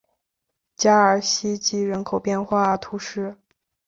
加尔希济人口变化图示